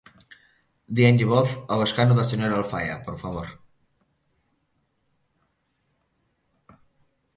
Déanlle voz ao escano da señora Alfaia, por favor.